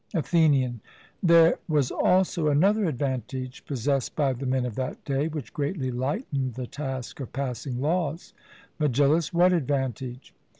ATHENIAN: There was also another advantage possessed by the men of that day, which greatly lightened the task of passing laws. MEGILLUS: What advantage?